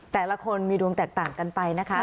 แต่ละคนมีดวงแตกต่างกันไปนะคะ